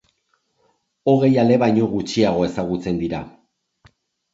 Hogei ale baino gutxiago ezagutzen dira.